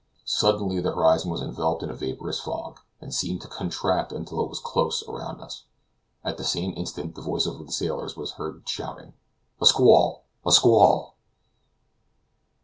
Suddenly the horizon was enveloped in a vaporous fog, and seemed to contract until it was close around us. At the same instant the voice of one of the sailors was heard shouting: "A squall! a squall!"